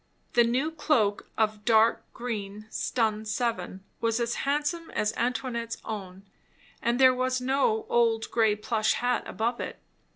The new cloak, of dark green stun 7, was as handsome as Antoinette's own; and there was no old grey plush hat above it.